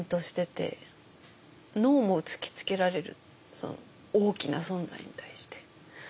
その大きな存在に対して。